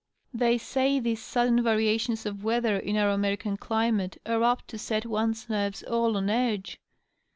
" They say these sudden variations of weather in our American climate are apt to set one^s nerves all on edge.